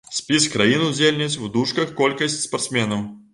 Спіс краін-удзельніц, у дужках колькасць спартсменаў.